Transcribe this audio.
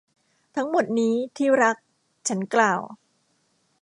ทั้งหมดนี้ ที่รัก ฉันกล่าว